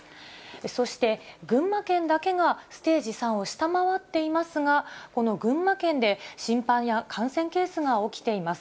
そして、群馬県だけがステージ３を下回っていますが、この群馬県で心配な感染ケースが起きています。